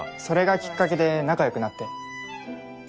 それがきっかけで仲良くなって。